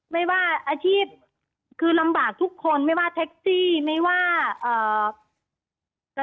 ไม่ว่าอาชีพคือลำบากทุกคนไม่ว่าแท็กซี่ไม่ว่าเอ่อ